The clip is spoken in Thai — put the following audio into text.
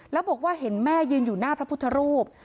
แล้วบอกว่าเห็นแม่ยืนอยู่หน้าพระพุทธรูป